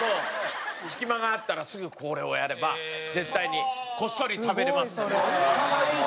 隙間が合ったらすぐこれをやれば絶対にこっそり食べられます。